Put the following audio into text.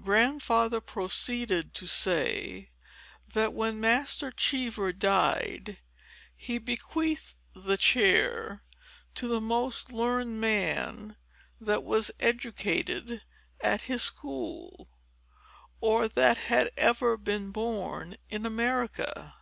Grandfather proceeded to say, that, when Master Cheever died, he bequeathed the chair to the most learned man that was educated at his school, or that had ever been born in America.